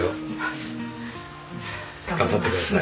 頑張ってください。